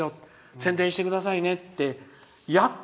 宣伝してくださいねって。